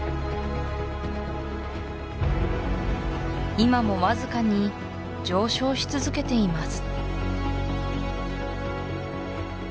今もわずかに上昇し続けています